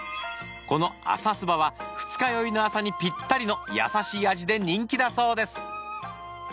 この「朝すば」は二日酔いの朝にぴったりの優しい味で人気だそうです。